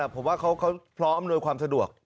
ผมว่าเขาพร้อมอำนวยความสะดวก